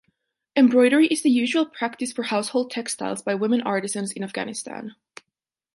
Embroidery is the usual practice for household textiles by women artisans in Afghanistan.